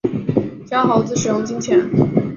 教猴子使用金钱